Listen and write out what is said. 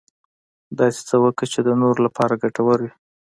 داسې څه وکړه چې د نورو لپاره ګټور وي .